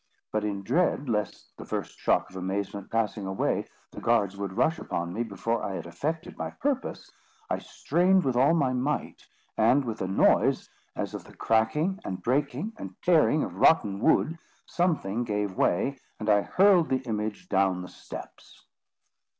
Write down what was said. But in dread lest, the first shock of amazement passing away, the guards would rush upon me before I had effected my purpose, I strained with all my might; and, with a noise as of the cracking, and breaking, and tearing of rotten wood, something gave way, and I hurled the image down the steps.